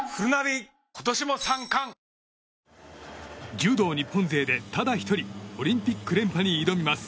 柔道日本勢でただ一人オリンピック連覇に挑みます。